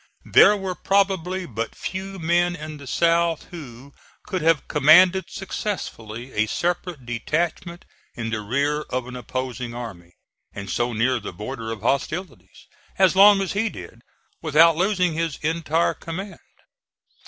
There were probably but few men in the South who could have commanded successfully a separate detachment in the rear of an opposing army, and so near the border of hostilities, as long as he did without losing his entire command.